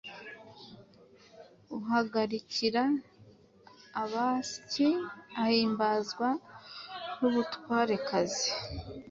ahagarikira abasyi. Ahimbazwa n’ubutwarekazi;